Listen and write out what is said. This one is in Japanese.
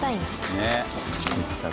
ねっ。